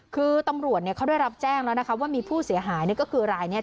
คือตำรวจเนี่ยเขาได้รับแจ้งแล้วนะคะว่ามีผู้เสียหายเนี่ยก็คือรายนี้